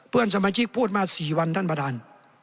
เพื่อนสมาชิกพูดมา๔วันท่านประธาน